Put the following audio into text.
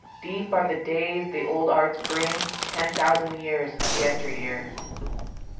Deep are the days the old arts bring: Ten thousand years of yesteryear.